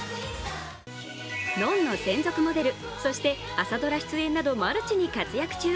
「ｎｏｎ−ｎｏ」専属モデル、そして朝ドラ出演などマルチに活躍中。